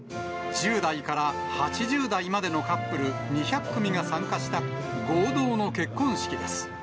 １０代から８０代までのカップル２００組が参加した合同の結婚式です。